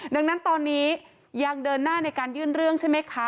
ดังนั้นตอนนี้ยังเดินหน้าในการยื่นเรื่องใช่ไหมคะ